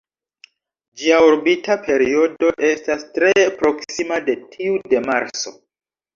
Ĝia orbita periodo estas tre proksima de tiu de Marso.